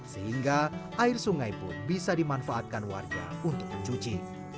sehingga air sungai pun bisa dimanfaatkan warga untuk mencuci